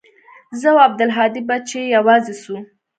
زه او عبدالهادي به چې يوازې سو.